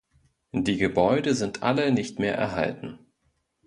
Die Gebäude sind alle nicht mehr erhalten.